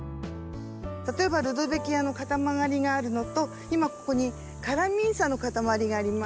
例えばルドベキアの固まりがあるのと今ここにカラミンサの固まりがあります。